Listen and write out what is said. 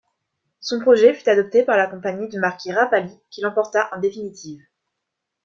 Son projet fut adopté par la compagnie du marquis Rapalli qui l'emporta en définitive.